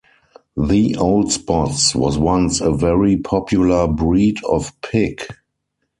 The Old Spots was once a very popular breed of pig.